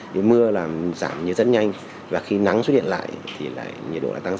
nếu mưa là giảm nhiệt rất nhanh và khi nắng xuất hiện lại thì là nhiệt độ là tăng